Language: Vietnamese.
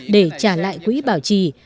để trả lại quỹ bảo trì